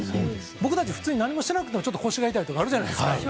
僕たち、普通に何もしてなくてもちょっと腰が痛いとかあるじゃないですか。